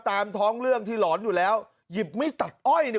ตามท้องเรื่องที่หลอนอยู่แล้วหยิบไม่ตัดอ้อยเนี่ย